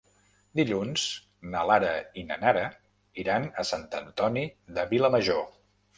Dilluns na Lara i na Nara iran a Sant Antoni de Vilamajor.